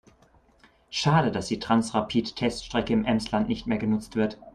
Schade, dass die Transrapid-Teststrecke im Emsland nicht mehr genutzt wird.